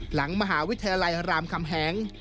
หลังมหาวิทยาลัยรามคำแหง